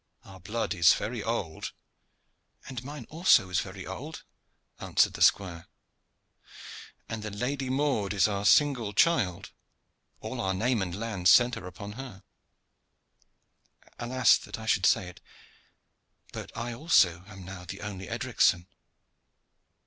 Our blood is very old." "And mine also is very old," answered the squire. "And the Lady Maude is our single child. All our name and lands centre upon her." "Alas! that I should say it, but I also am now the only Edricson."